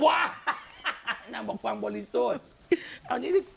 ว่าน่าบอกความบริสุทธิ์